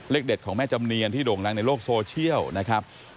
เด็ดของแม่จำเนียนที่โด่งดังในโลกโซเชียลนะครับ